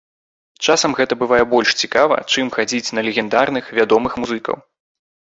Часам гэта бывае больш цікава чым, хадзіць на легендарных, вядомых музыкаў.